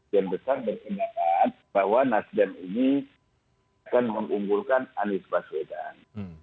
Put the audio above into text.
yang besar berkendapat bahwa nasdem ini akan mengunggulkan anies baswedan